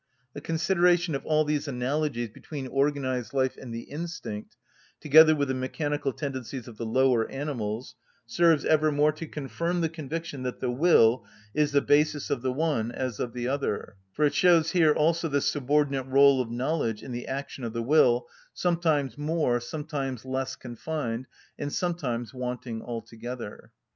The consideration of all these analogies between organised life and the instinct, together with the mechanical tendencies of the lower animals, serves ever more to confirm the conviction that the will is the basis of the one as of the other, for it shows here also the subordinate rôle of knowledge in the action of the will, sometimes more, sometimes less, confined, and sometimes wanting altogether.